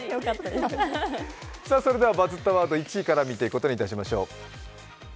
それではバズったワード１位から見ていくことにしましょう